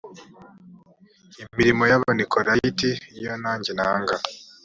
imirimo y abanikolayiti iyo nanjye nanga